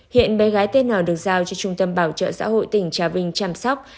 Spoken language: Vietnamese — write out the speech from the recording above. hiện bé gái tn được giao cho trung tâm bảo trợ xã hội tỉnh trà vinh chăm sóc